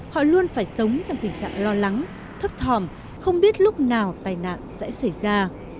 họ luôn phải sống trong tình trạng lo lắng thấp thòm không biết lúc nào tai nạn sẽ xảy ra